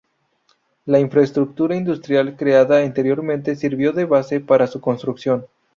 La infraestructura industrial creada anteriormente sirvió de base para su construcción.